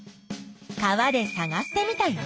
川でさがしてみたよ。